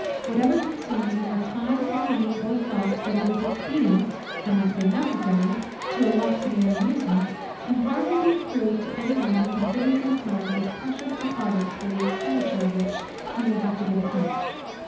Whatever consumes more time, or money, or thought, than it is expedient (I might say necessary) to allot to mere amusement, can hardly be approved by any one who considers these talents as precious deposits for the expenditure of which he will have to give account.